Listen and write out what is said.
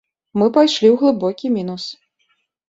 Мы пайшлі ў глыбокі мінус.